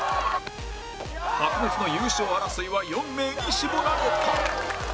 白熱の優勝争いは４名に絞られた